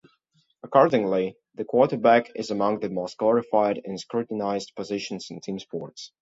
Accordingly, the quarterback is among the most glorified and scrutinized positions in team sports.